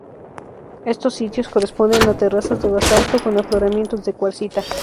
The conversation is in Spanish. Estos sitios corresponden a terrazas de basalto con afloramientos de cuarcita.